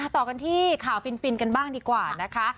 ต่อกันที่ข่าวฟินกันบ้างดีกว่านะคะ